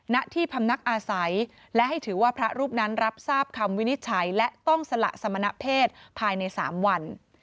ณที่พำนักอาศัยและให้ถือว่าพระรูปนั้นรับทราบคำวินิจฉัยและต้องสละสมณเพศภายใน๓วัน